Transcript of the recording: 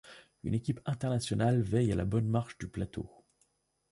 Une équipe internationale veille à la bonne marche du plateau.